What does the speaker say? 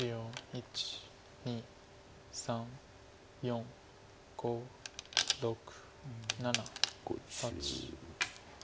１２３４５６７８。